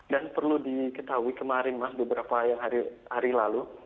perlu diketahui kemarin mas beberapa hari lalu